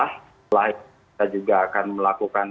kita juga akan melakukan